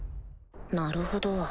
なるほど